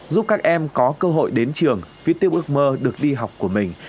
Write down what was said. giúp các em có cơ hội đến trường viết tiếp ước mơ được đi học của mình